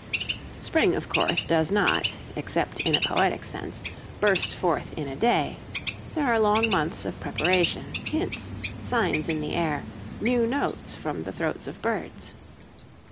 Spring, of course, does not, except in a poetic sense, burst forth in a day, there are long months of preparation, hints, signs in the air, new notes from the throats of birds.